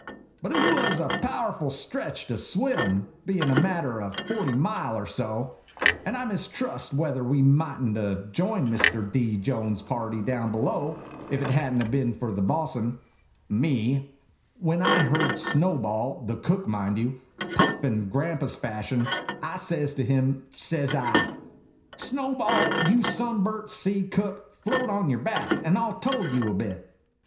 But it was a powerful stretch to swim, bein' a matter o' forty mile or so ; and I mistrust whether we might n't 'a' joined Mr. D. Jones's party down below if it had n't been for the Bo's'n (me). 2l8 IMAGINOTIONS When I heard Snowball (the Cook, you mind) puffing grampus fashion, I says to him, says I :" Snowball, you sunburnt sea cook, float on your back and I '11 tow you a bit."